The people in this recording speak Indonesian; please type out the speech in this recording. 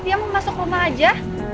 dia mau masuk rumah aja